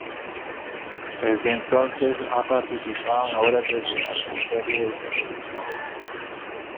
Desde entonces ha participado en obras de teatro y series de televisión.